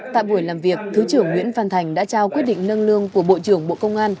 tại buổi làm việc thứ trưởng nguyễn văn thành đã trao quyết định nâng lương của bộ trưởng bộ công an